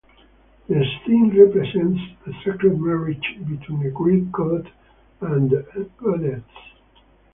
The scene represents a sacred marriage between a great god and goddess.